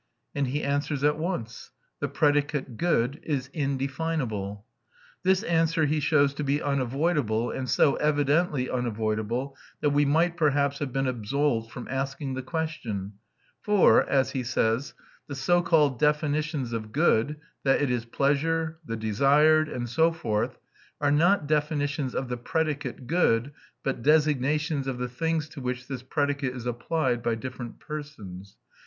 And he answers at once: The predicate "good" is indefinable. This answer he shows to be unavoidable, and so evidently unavoidable that we might perhaps have been absolved from asking the question; for, as he says, the so called definitions of "good" that it is pleasure, the desired, and so forth are not definitions of the predicate "good," but designations of the things to which this predicate is applied by different persons.